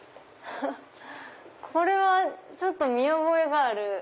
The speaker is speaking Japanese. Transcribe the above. これはちょっと見覚えがある。